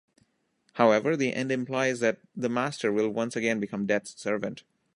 However, the end implies that the Master will once again become Death's servant.